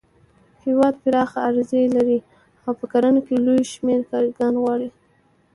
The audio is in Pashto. هېواد پراخه اراضي لري او په کرنه کې لوی شمېر کارګران غواړي.